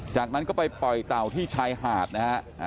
จากนั้นก็ไปปล่อยเต่าที่ชายหาดนะฮะ